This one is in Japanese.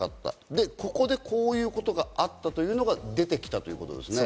で、ここでこういうことがあったというのが出てきたということですね。